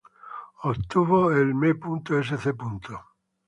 Obtuvo el M. Sc.